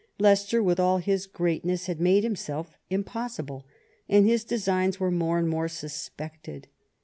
Leicester with all his great ness had made himself impossible, and his designs were more and more suspected.